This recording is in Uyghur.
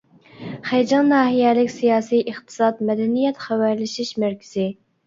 خېجىڭ ناھىيەلىك سىياسىي، ئىقتىساد، مەدەنىيەت، خەۋەرلىشىش مەركىزى.